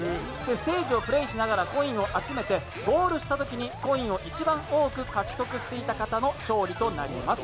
ステージをプレーしながらコインを集めて、ゴールしたときコインを一番多く獲得していた方の勝利となります。